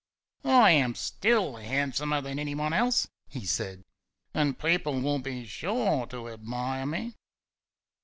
"I am still handsomer than any one else!" he said, "and people will be sure to admire me."